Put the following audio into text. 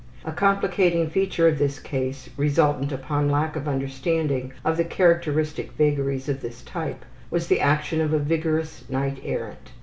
A complicating feature of this case, resultant upon lack of understanding of the characteristic vagaries of this type, was the action of a vigorous knight errant.